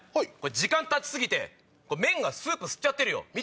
時間経ち過ぎて麺がスープ吸っちゃってるよ。